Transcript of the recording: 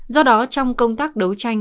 do đó trong công tác đấu tranh